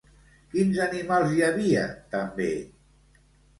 Quins animals hi havia també?